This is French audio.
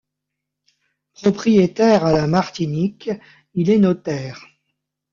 Propriétaire à la Martinique, il est notaire.